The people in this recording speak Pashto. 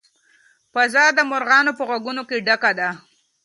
فضا د مرغانو په غږونو ډکه ده.